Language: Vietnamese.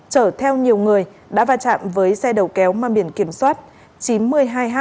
trở theo nhiều người đã va chạm với xe đầu kéo mang biển kiểm soát chín mươi hai h bốn trăm ba mươi ba